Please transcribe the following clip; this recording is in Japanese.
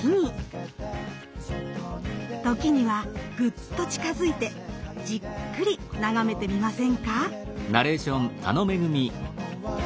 時にはグッと近づいてじっくり眺めてみませんか。